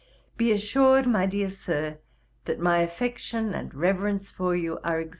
Be assured, my dear Sir, that my affection and reverence for you are exalted and steady.